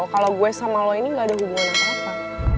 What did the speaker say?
kalau gue sama lo ini gak ada hubungannya apa